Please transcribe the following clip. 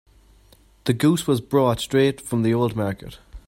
The goose was brought straight from the old market.